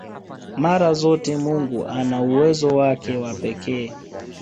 Mara zote Mungu ana uwezo wake wa pekee